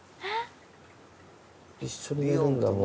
一緒に寝るんだもう。